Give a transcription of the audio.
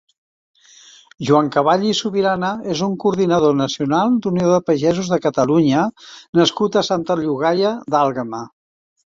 Joan Caball i Subirana és un coordinador nacional d'Unió de Pagesos de Catalunya nascut a Santa Llogaia d'Àlguema.